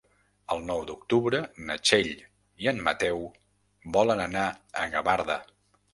El nou d'octubre na Txell i en Mateu volen anar a Gavarda.